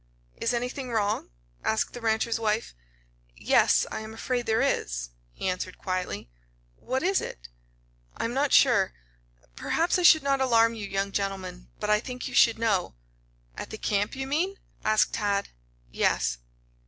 "Is anything wrong?" asked the rancher's wife. "Yes; I am afraid there is," he answered quietly. "What is it?" "I am not sure. Perhaps I should not alarm you young gentlemen, but I think you should know." "At the camp, you mean?" asked Tad. "Yes."